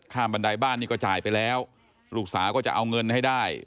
บันไดบ้านนี่ก็จ่ายไปแล้วลูกสาวก็จะเอาเงินให้ได้